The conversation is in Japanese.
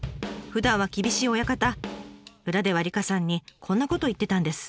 ふだんは厳しい親方裏では梨香さんにこんなことを言ってたんです。